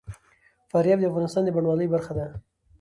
فاریاب د افغانستان د بڼوالۍ برخه ده.